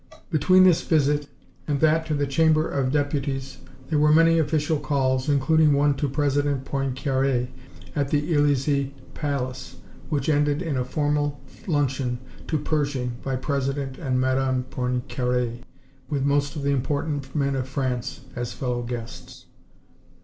Between this visit and that to the Chamber of Deputies there were many official calls, including one to President Poincaré at the Elysée Palace, which ended in a formal luncheon to Pershing by President and Madame Poincaré, with most of the important men of France as fellow guests.